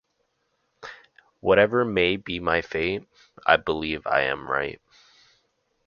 Whatever may be my fate, I believe I am right.